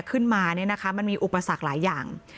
ขึ้นมามันมีอุปสรรคหลายอย่าง